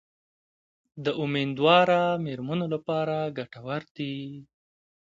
د امیندواره میرمنو لپاره ګټور دي.